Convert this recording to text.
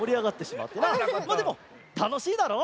まあでもたのしいだろう？